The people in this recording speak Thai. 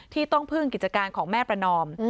ที่ต้องพึ่งกิจการของแม่ประนอม